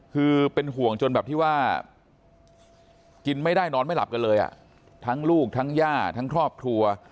คือเป็นห่วงจนแบบที่ว่ากินไม่ได้นอนไม่หลับกันเลยอ่ะทั้งลูกทั้งย่าทั้งครอบครัว